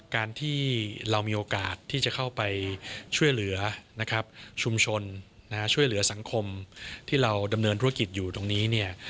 การที่เรามีโอกาสที่จะเข้าไปช่วยเหลือนะครับชุมชนช่วยเหลือสังคมที่เราดำเนินธุรกิจอยู่ตรงนี้เนี่ย